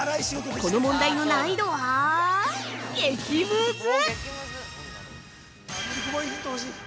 この問題の難易度は激ムズ。